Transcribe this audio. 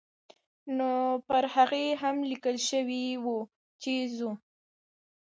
نو پر هغې هم لیکل شوي وو چې ځو.